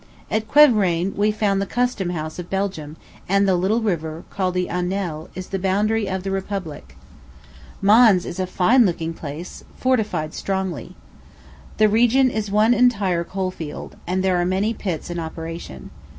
At Quievrain we found the custom house of Belgium, and the little river, called Aunelle, is the boundary of the republic. Mons is a fine looking place, fortified strongly. The region is one entire coal field, and there are many pits in operation.